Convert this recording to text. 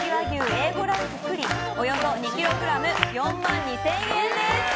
Ａ５ランク、クリおよそ２ｋｇ４万２０００円です。